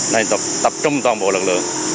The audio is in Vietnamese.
nên tập trung toàn bộ lực lượng